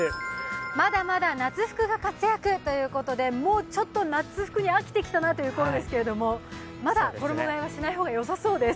まだまだ夏服が活躍ということでもうちょっと夏服に飽きてきたころですがまだ衣がえはしない方が良さそうです